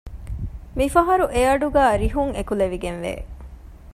މިފަހަރު އެއަޑުގައި ރިހުން އެކުލެވިގެންވެ